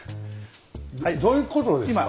どういうことですか？